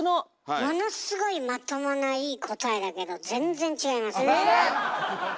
ものすごいまともないい答えだけど全然違います。